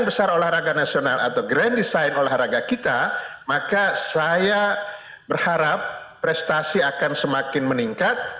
dan besar olahraga nasional atau grand design olahraga kita maka saya berharap prestasi akan semakin meningkat